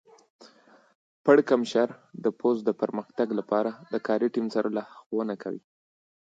پړکمشر د پوځ د پرمختګ لپاره د کاري ټیم سره لارښوونه کوي.